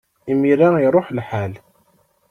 Imir-a, iṛuḥ lḥal.